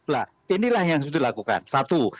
nah inilah yang harus dilakukan satu